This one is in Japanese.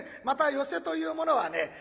また寄席というものはね